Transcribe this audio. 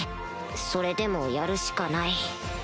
それでもやるしかない